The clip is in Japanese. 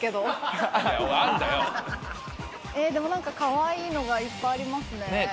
えでも何かカワイイのがいっぱいありますね。